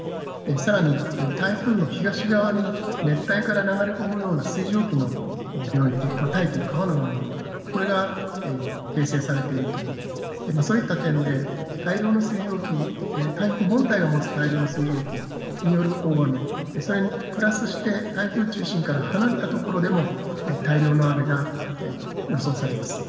さらに、台風の東側に熱帯から流れ込むような水蒸気の領域、大気の川のようなもの、これが形成されているという、そういった点で、大量の水蒸気に、台風本体が持つ大量の水蒸気による大雨、それにプラスして台風の中心から離れた所でも、大量の雨が予想されます。